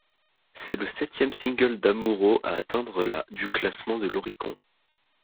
C'est le septième single d'Amuro à atteindre la du classement de l'Oricon.